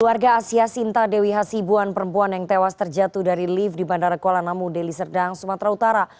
keluarga asia sinta dewi hasibuan perempuan yang tewas terjatuh dari lift di bandara kuala namu deli serdang sumatera utara